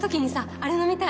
あれ飲みたい！